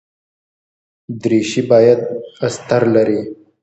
دریشي باید استر لري.